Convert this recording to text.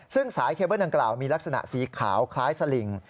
ซึ่งสายเคเบิ้ลดังกล่าวมีลักษณะสีขาวคล้ายสลิง